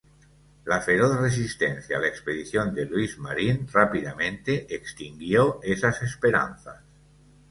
La feroz resistencia a la expedición de Luis Marín rápidamente extinguió esas esperanzas.